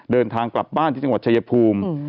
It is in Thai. เดินทางกลับบ้านที่จังหวัดชายภูมิ